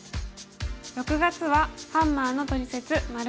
６月は「ハンマーのトリセツ③」。